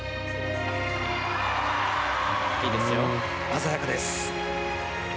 鮮やかです。